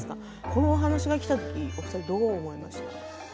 このお話がきたときお二人どう思いました？